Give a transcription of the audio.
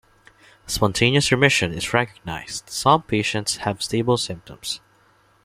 Spontaneous remission is recognized; some patients have stable symptoms.